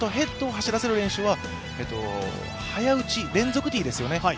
あと、ヘッドを走らせる練習は早打ち、連続ティーですよね。